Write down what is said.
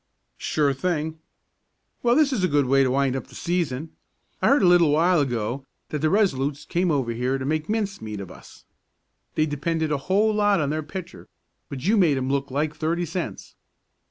"Sure thing. Well, this is a good way to wind up the season. I heard a little while ago that the Resolutes came over here to make mince meat of us. They depended a whole lot on their pitcher, but you made him look like thirty cents."